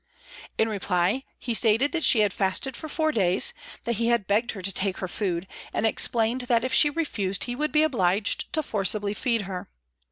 In reply, he stated that she had fasted for four days, that he had begged her to take her food, and explained that if she refused he would be obliged to forcibly feed her.